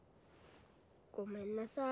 ごめんなさい。